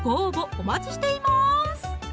お待ちしています